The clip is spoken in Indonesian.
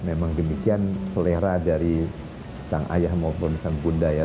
memang demikian selera dari sang ayah maupun sang bunda ya